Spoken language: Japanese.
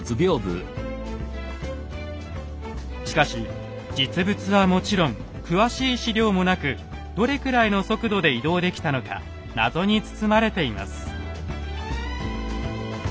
しかし実物はもちろん詳しい史料もなくどれくらいの速度で移動できたのかナゾに包まれています。